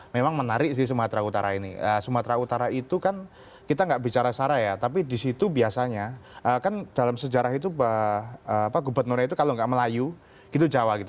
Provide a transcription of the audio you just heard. memang menarik sih sumatera utara ini sumatera utara itu kan kita gak bicara bicara ya tapi disitu biasanya kan dalam sejarah itu gubat nura itu kalau gak melayu gitu jawa gitu